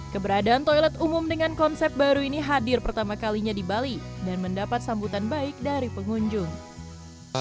keberadaan toilet umum dengan konsep baru ini hadir pertama kalinya di bali dan mendapat sambutan baik dari pengunjung